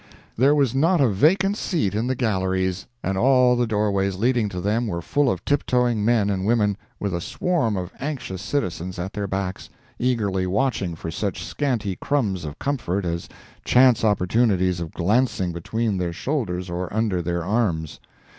There was not a vacant seat in the galleries, and all the doorways leading to them were full of tiptoeing men and women, with a swarm of anxious citizens at their backs, eagerly watching for such scanty crumbs of comfort as chance opportunities of glancing between their shoulders or under their arms.